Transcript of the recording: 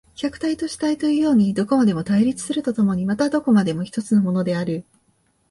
客体と主体というようにどこまでも対立すると共にまたどこまでも一つのものである。